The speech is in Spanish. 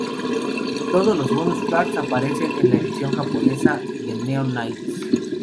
Todos los bonus tracks aparecen en la edición japonesa de Neon Nights.